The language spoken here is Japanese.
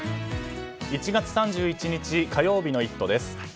１月３１日火曜日の「イット！」です。